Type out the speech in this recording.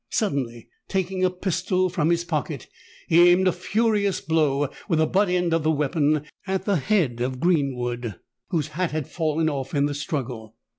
Suddenly taking a pistol from his pocket, he aimed a furious blow, with the butt end of the weapon, at the head of Greenwood, whose hat had fallen off in the struggle.